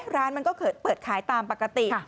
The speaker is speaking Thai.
ร้านมันก็เปิดขายตามปกติ